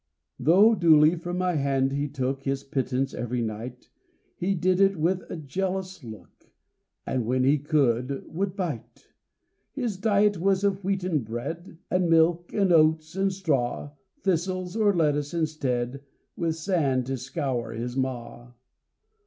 Though duly from my hand he took His pittance every night, He did it with a jealous look, And, when he could, would bite. His diet was of wheaten bread, And milk, and oats, and straw; Thistles, or lettuces instead, With sand to scour his maw.